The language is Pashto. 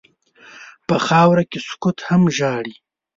په خاوره کې سکوت هم ژاړي.